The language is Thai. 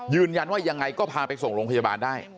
ยืนยันว่ายังไงก็พาไปส่งโรงพยาบาลได้